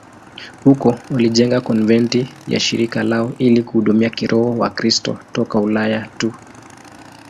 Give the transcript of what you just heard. Huko walijenga konventi ya shirika lao ili kuhudumia kiroho Wakristo toka Ulaya tu.